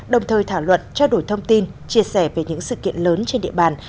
đồng thời thảo luận trao đổi thông tin chia sẻ về những sự kiện lớn trên địa bàn